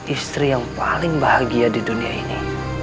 istri yang paling bahagia di dunia ini